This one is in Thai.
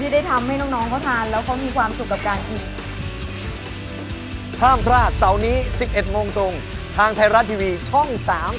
ได้ทำให้น้องเขาทานแล้วเขามีความสุขกับการกิน